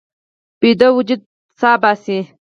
ویده وجود سا باسي